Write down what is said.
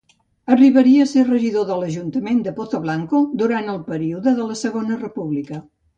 Arribaria a ser regidor de l'Ajuntament de Pozoblanco, durant el període de la Segona República.